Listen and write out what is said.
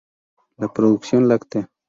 La producción láctea.